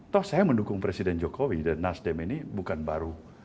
toh saya mendukung presiden jokowi dan nasdem ini bukan baru